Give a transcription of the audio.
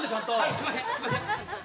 すいませんすいません。